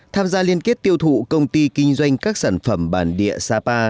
tham gia liên kết tiêu thụ công ty kinh doanh các sản phẩm bản địa sapa